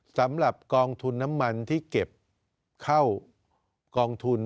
สำหรับกองทุนน้ำมันที่เก็บเข้ากองทุน